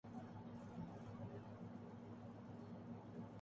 پاکستانی تاریخ کے المیوں میں یہ ایک بڑا المیہ ہے۔